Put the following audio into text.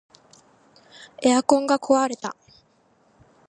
エアコンが壊れた